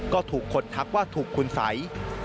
ก็ถูกคนทักว่าถูกคุณสัย